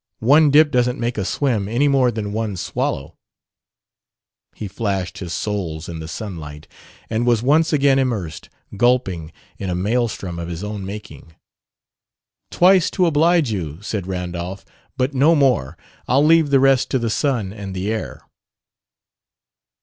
"One dip doesn't make a swim, any more than one swallow " He flashed his soles in the sunlight and was once again immersed, gulping, in a maelstrom of his own making. "Twice, to oblige you," said Randolph. "But no more. I'll leave the rest to the sun and the air."